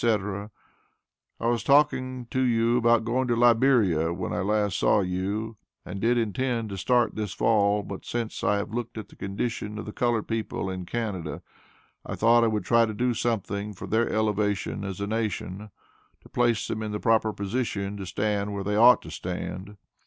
I was talking to you about going to Liberia, when I saw you last, and did intend to start this fall, but I since looked at the condition of the colored people in Canada. I thought I would try to do something for their elevation as a nation, to place them in the proper position to stand where they ought to stand.